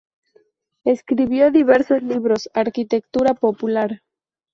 Escribió diversos libros: "Arquitectura popular.